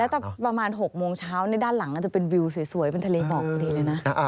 แล้วแต่ประมาณ๖โมงเช้าด้านหลังก็จะเป็นวิวสวยเป็นทะเลบอกเลยนะ